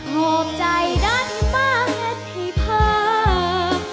หอบใจได้มากแทบที่เพิ่ม